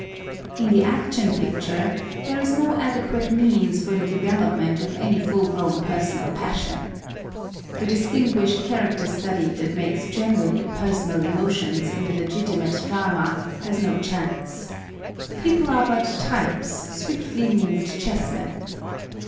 In the Action Picture there is no adequate means for the development of any full grown personal passion. The distinguished character study that makes genuine the personal emotions in the legitimate drama, has no chance. People are but types, swiftly moved chessmen.